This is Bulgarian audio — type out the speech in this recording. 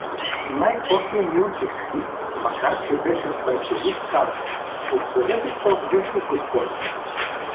Най-после Милчевски, макар че беше търпелив, каза: — Оставете тоз вестник, г-це!